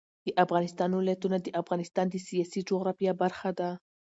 د افغانستان ولايتونه د افغانستان د سیاسي جغرافیه برخه ده.